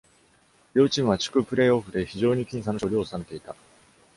両チームは地区プレーオフで非常に僅差の勝利を収めていた。